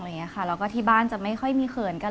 แล้วก็ที่บ้านจะไม่ค่อยมีเขินกัน